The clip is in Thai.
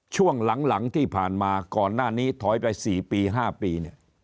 ช่วงหลังที่ผ่านมาก่อนหน้านี้ถอยไป๔ปี๕ปีเนี่ย